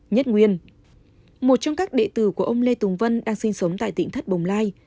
nhất nguyên một trong các đệ tử của ông lê tùng vân đang sinh sống tại tỉnh thất bồng lai